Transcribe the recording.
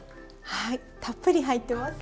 はいたっぷり入ってます。